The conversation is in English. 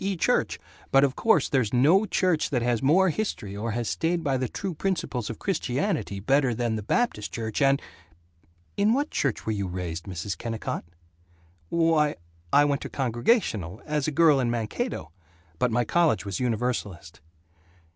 E. church, but of course there's no church that has more history or has stayed by the true principles of Christianity better than the Baptist Church and In what church were you raised, Mrs. Kennicott?" "W why, I went to Congregational, as a girl in Mankato, but my college was Universalist."